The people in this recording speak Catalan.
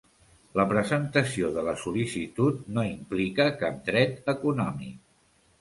La presentació de la sol·licitud no implica cap dret econòmic.